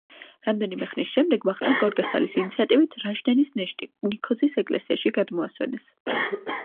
რამდენიმე ხნის შემდეგ ვახტანგ გორგასალის ინიციატივით, რაჟდენის ნეშტი ნიქოზის ეკლესიაში გადმოასვენეს.